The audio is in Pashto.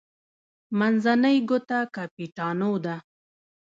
منځنۍ ګوته کاپیټانو ده.